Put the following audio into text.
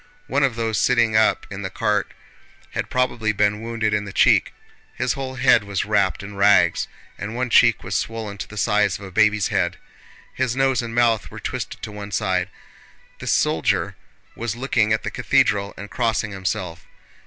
One of those sitting up in the cart had probably been wounded in the cheek. His whole head was wrapped in rags and one cheek was swollen to the size of a baby's head. His nose and mouth were twisted to one side. This soldier was looking at the cathedral and crossing himself.